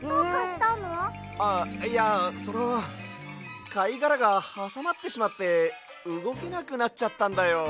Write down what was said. あっいやそのかいがらがはさまってしまってうごけなくなっちゃったんだよ。